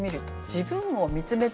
自分を見つめてみる。